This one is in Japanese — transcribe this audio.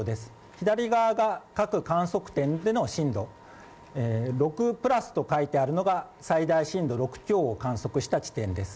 左側が各観測点での震度、６プラスと書いてあるのが最大震度６強を観測した地点です。